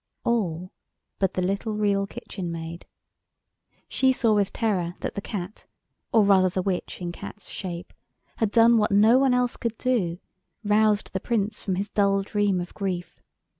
All but the little Real Kitchen Maid. She saw with terror that the Cat, or rather the witch in Cat's shape, had done what no one else could do—roused the Prince from his dull dream of grief.